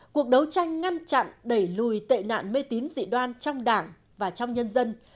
cuộc đấu tranh ngăn chặn đẩy lùi tệ nạn mê tín dị đoan trong đảng và trong nhân dân